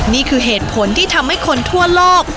นี่คือเหตุผลที่ทำให้คนทั่วโลก